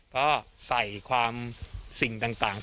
ก็ใส่ความสิ่งต่าง